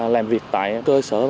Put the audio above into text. làm việc tại cơ sở